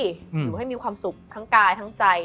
อยู่ให้มีความสุขทั้งกายทั้งใจ